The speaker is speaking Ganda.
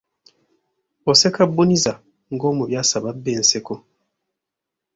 Oseka bbuniza, ng’omubi asaba bba enseko.